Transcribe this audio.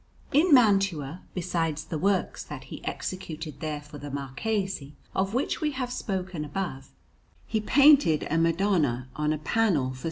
In Mantua, besides the works that he executed there for the Marquis, of which we have spoken above, he painted a Madonna on a panel for S.